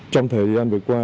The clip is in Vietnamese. trong thời gian vừa qua